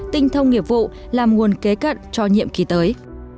tinh thông nghiệp vụ làm nguồn kế cận cho nhiệm kỳ tới